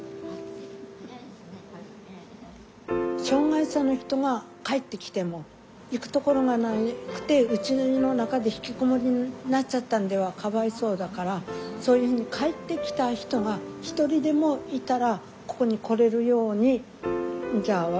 障害者の人が帰ってきても行くところがなくてうちの中で引きこもりになっちゃったんではかわいそうだからそういうふうに帰ってきた人が一人でもいたらここに来れるようにじゃあ